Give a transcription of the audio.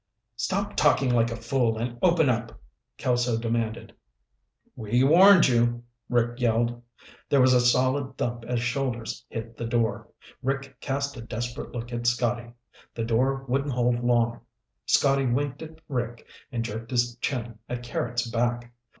"Stop talking like a fool and open up," Kelso demanded. "We warned you," Rick yelled. There was a solid thump as shoulders hit the door. Rick cast a desperate look at Scotty. The door wouldn't hold long. Scotty winked at Rick and jerked his chin at Carrots' back.